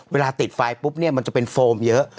เวลาติดไฟปุ๊บเนี่ยมันจะเป็นโฟมเยอะ